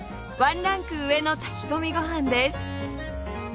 ワンランク上の炊き込みご飯です